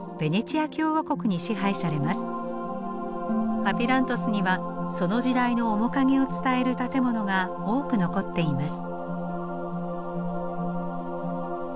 アピラントスにはその時代の面影を伝える建物が多く残っています。